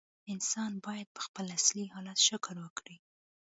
انسان باید په خپل اصلي حالت شکر وکړي.